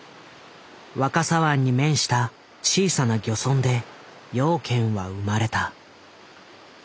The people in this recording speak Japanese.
若狭湾に面した小さな漁村で養賢は生まれた。